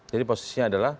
jadi posisinya adalah